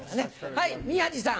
はい宮治さん。